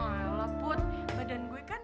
alah put badan gue kan